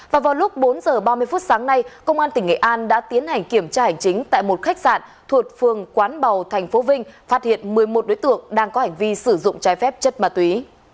và vào lúc bốn h ba mươi phút sáng nay công an tỉnh nghệ an đã tiến hành kiểm tra hành chính tại một khách sạn thuộc phường quán bào tp vinh phát hiện một mươi một đối tượng đang có hành vi sử dụng trái phép chất ma túy